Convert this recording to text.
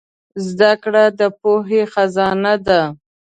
زدهکړه د پوهې خزانه ده.